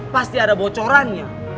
pasti ada bocorannya